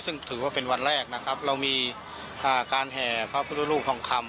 ซึ่งถือว่าเป็นวันแรกนะครับเรามีการแห่พระพุทธรูปทองคำ